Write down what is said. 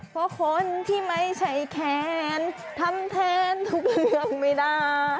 เพราะคนที่ไม่ใช่แขนทำแทนทุกเรื่องไม่ได้